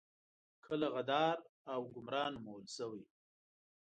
کله غدار او ګمرا نومول شوي.